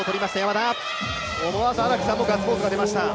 思わず荒木さんもガッツポーズが出ました。